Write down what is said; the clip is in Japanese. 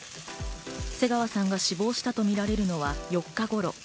瀬川さんが死亡したとみられるのは４日頃。